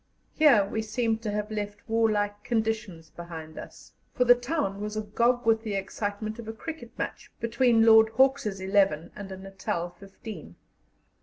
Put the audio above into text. Here we seemed to have left warlike conditions behind us, for the town was agog with the excitement of a cricket match, between Lord Hawke's eleven and a Natal fifteen.